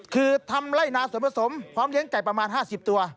คือทำไล่นาส่วนผสมพร้อมเลี้ยงไก่ประมาณ๕๐ตัว